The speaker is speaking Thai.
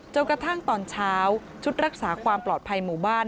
จนกระทั่งตอนเช้าชุดรักษาความปลอดภัยหมู่บ้าน